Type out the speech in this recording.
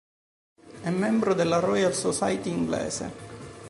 È membro della Royal Society inglese.